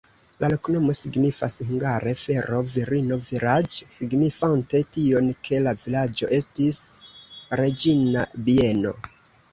La loknomo signifas hungare: fero-virino-vilaĝ', signifante tion, ke la vilaĝo estis reĝina bieno.